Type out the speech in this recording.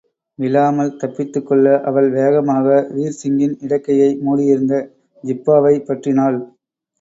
விழாமல் தப்பித்துக்கொள்ள அவள் வேகமாக வீர்சிங்கின் இடக்கையை மூடியிருந்த ஜிப்பாவைப் பற்றினாள்.